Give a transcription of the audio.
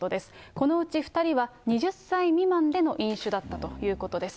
このうち２人は２０歳未満での飲酒だったということです。